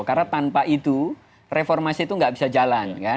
karena tanpa itu reformasi itu tidak bisa jalan